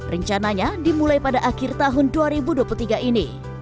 rencananya dimulai pada akhir tahun dua ribu dua puluh tiga ini